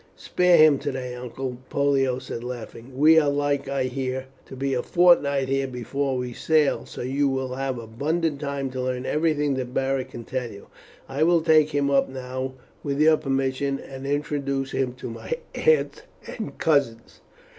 "Spare him for today, uncle," Pollio said laughing. "We are like, I hear, to be a fortnight here before we sail; so you will have abundant time to learn everything that Beric can tell you. I will take him up now, with your permission, and introduce him to my aunt and cousins."